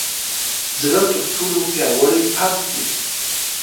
زړه تر ټولو پیاوړې پمپ دی.